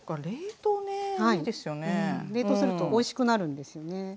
冷凍するとおいしくなるんですよね。